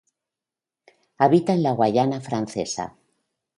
Habita en Guayana Francesa.